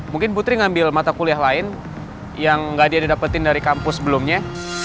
mungkin putri ngambil mata kuliah lain yang nggak dia didapetin dari kampus sebelumnya